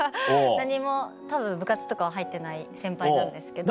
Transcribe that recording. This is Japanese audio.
何もたぶん部活とかは入ってない先輩なんですけど。